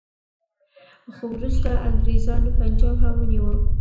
خو وروسته انګریزانو پنجاب هم ونیو.